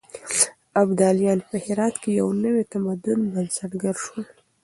ابداليان په هرات کې د يو نوي تمدن بنسټګر شول.